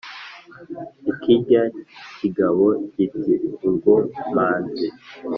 ikiriya kigabo gite ubwomanzi